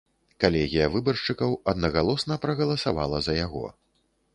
Калегія выбаршчыкаў аднагалосна прагаласавала за яго.